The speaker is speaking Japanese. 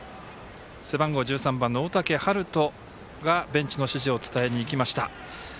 背番号１３番の小竹遥斗がベンチの指示を伝えにいきました。